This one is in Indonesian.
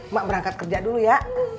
mbak berangkat kerja dulu ya